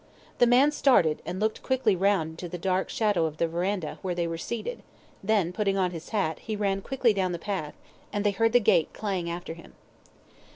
The man started, and looked quickly round into the dark shadow of the verandah where they were seated, then, putting on his hat, he ran quickly down the path, and they heard the gate clang after him.